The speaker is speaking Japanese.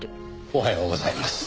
おはようございます。